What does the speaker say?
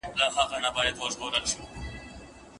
دوی له پخوا لا د دې پروژې په ماموریت باندې پوهېدلي وو.